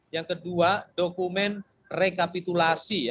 yang kedua dokumen rekapitulasi